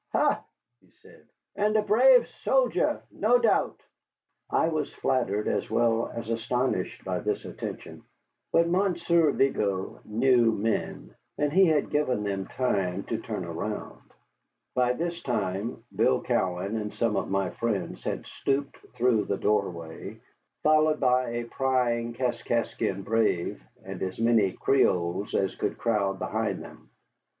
"Ha," he said, "and a brave soldier, no doubt." I was flattered as well as astonished by this attention. But Monsieur Vigo knew men, and he had given them time to turn around. By this time Bill Cowan and some of my friends had stooped through the doorway, followed by a prying Kaskaskian brave and as many Creoles as could crowd behind them.